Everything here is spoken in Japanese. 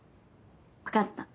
分かった。